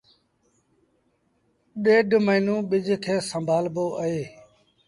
ڏيڍ موهيݩون ٻج کي سنڀآ لبو اهي